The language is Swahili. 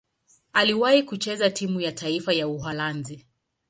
Aliwahi kucheza timu ya taifa ya Uholanzi.